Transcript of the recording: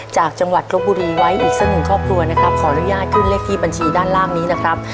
จากจังหวัดรบบุรีไว้อีกสักหนึ่งครอบครัวนะครับขออนุญาตขึ้นเลขที่บัญชีด้านล่างนี้นะครับ